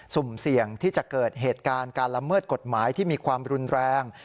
สุ่มเสี่ยงที่จะเกิดเหตุการณ์การละเมิดกฎหมายที่มีความรุนแรง